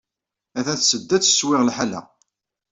Atan tetteddu ad tettwiɣ lḥala.